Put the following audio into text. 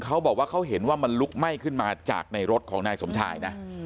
เขาบอกว่าเขาเห็นว่ามันลุกไหม้ขึ้นมาจากในรถของนายสมชายนะ